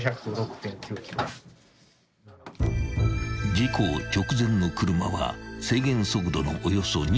［事故直前の車は制限速度のおよそ２．７倍］